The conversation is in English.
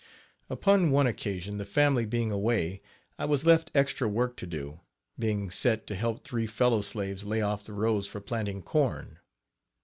Upon one occasion, the family being away, I was left extra work to do, being set to help three fellow slaves lay off the rows for planting corn.